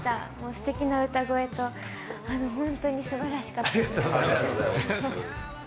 すてきな歌声と、本当にすばらしかったです。